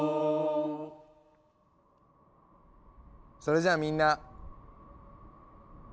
それじゃあみんな。